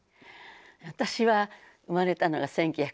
私は生まれたのが１９４３年満州